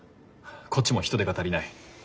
こっちも人手が足りない。